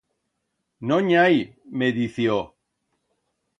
No n'i hai, me dició.